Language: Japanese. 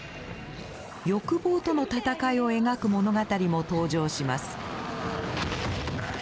欲望との戦いを描く物語も登場します。